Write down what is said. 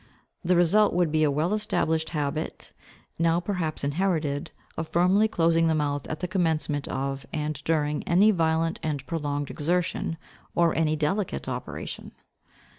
The result would be a well established habit, now perhaps inherited, of firmly closing the mouth at the commencement of and during any violent and prolonged exertion, or any delicate operation.